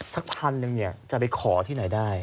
สักพันหนึ่งจะไปขอที่ไหนได้